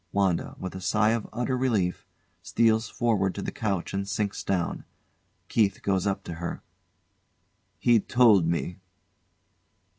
WANDA, with a sigh of utter relief, steals forward to the couch and sinks down. KEITH goes up to her. He'd told me.